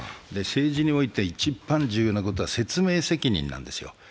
政治において一番重要なことは説明責任なんですよ。